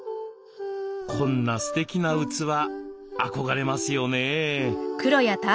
こんなすてきな器憧れますよね。